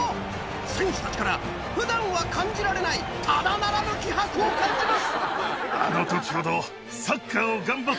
選手たちから普段は感じられないただならぬ気迫を感じます。